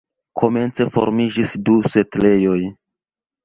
Komence formiĝis du setlejoj.